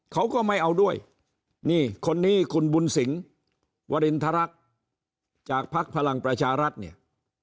เขาก็ไม่เอาด้วยนี่คนนี้คุณบุญสิงวรินทรรักษ์จากภักดิ์พลังประชารัฐเนี่ย